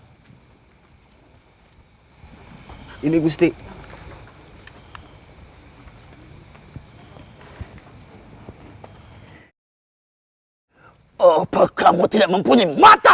hai ini gusti hai apa kamu tidak mempunyai mata